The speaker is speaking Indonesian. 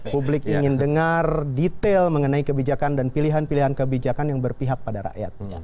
publik ingin dengar detail mengenai kebijakan dan pilihan pilihan kebijakan yang berpihak pada rakyat